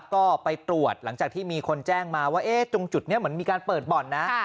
ก็ไปตรวจหลังจากที่มีคนแจ้งมาว่าตรงจุดนี้เหมือนมีการเปิดบ่อนนะ